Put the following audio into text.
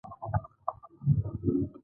هغې وویل محبت یې د عطر په څېر ژور دی.